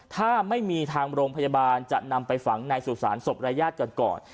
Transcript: ถ้าไม่มีทางโรงพยาบาลจะนำไปฝังในสุสานศพรายญาติกันก่อน